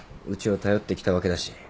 うちを頼ってきたわけだし。